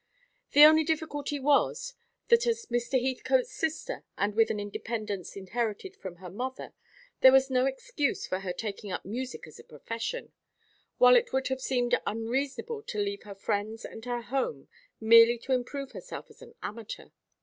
The only difficulty was, that as Mr. Heathcote's sister, and with an independence inherited from her mother, there was no excuse for her taking up music as a profession, while it would have seemed unreasonable to leave her friends and her home merely to improve herself as an amateur.